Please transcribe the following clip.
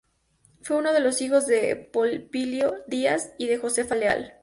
Fue uno de los hijos de Pompilio Díaz y de Josefa Leal.